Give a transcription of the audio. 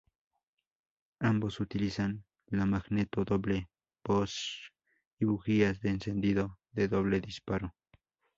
Ambos utilizan la magneto doble Bosch y bujías de encendido de doble disparo.